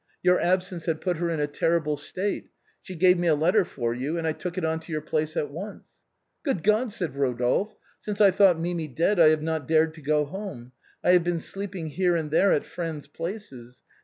Your absence had put her in a terrible state; she gave me a letter for you and I took it on to your place at once." " Good God !" said Eodolphe ;" since I thought Mimi dead I have not dared to go home. I have been sleeping here and there at friends' places.